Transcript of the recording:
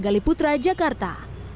gali putra jakarta